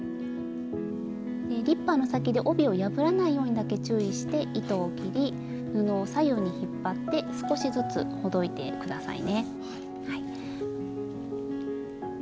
リッパーの先で帯を破らないようにだけ注意して糸を切り布を左右に引っ張って少しずつほどいて下さいね。